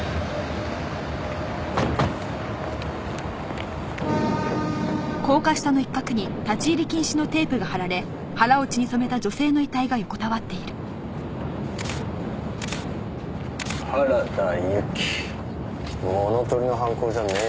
物盗りの犯行じゃねえようだな。